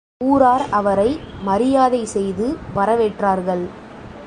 ஊரார் அவரை மரியாதை செய்து வரவேற்றார்கள்.